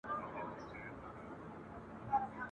پېغلي ښایي د جنګ وسله هم درلودلې وي.